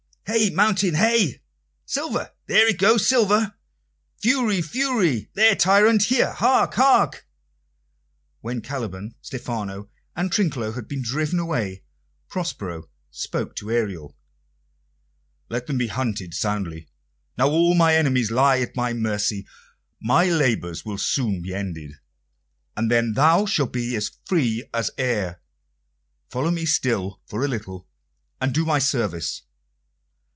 "Hey, Mountain, hey!" "Silver! There it goes, Silver!" "Fury, Fury! There, Tyrant, there! Hark, hark!" When Caliban, Stephano, and Trinculo had been driven away, Prospero spoke to Ariel. "Let them be hunted soundly. Now all my enemies lie at my mercy. My labours will soon be ended, and then thou shalt be free as air. Follow me still for a little, and do me service.